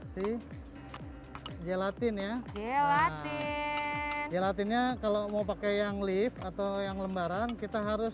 sih gelatin ya gelatinnya kalau mau pakai yang lift atau yang lembaran kita harus